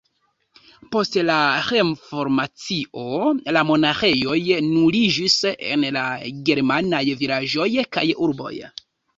Post la Reformacio la monaĥejoj nuliĝis en la germanaj vilaĝoj kaj urboj.